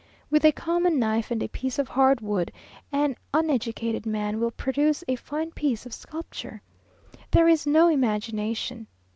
With a common knife and a piece of hard wood, an uneducated man will produce a fine piece of sculpture. There is no imagination.